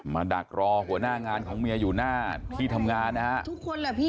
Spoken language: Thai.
มาดักรอหัวหน้างานของเมียอยู่หน้าที่ทำงานนะครับ